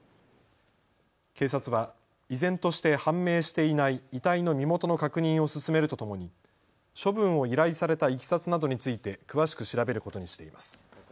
警察は依然として判明していない遺体の身元の確認を進めるとともに処分を依頼されたいきさつなどについて詳しく調べることにしています。